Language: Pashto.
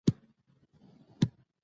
رسوب د افغان کورنیو د دودونو مهم عنصر دی.